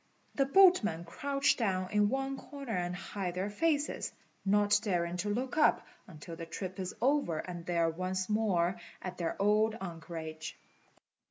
The boatmen crouch down in one corner and hide their faces, not daring to look up until the trip is over and they are once more at their old anchorage.